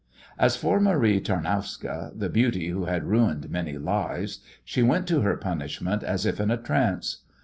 As for Marie Tarnowska, the beauty who had ruined many lives, she went to her punishment as if in a trance.